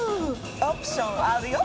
オプションあるよ。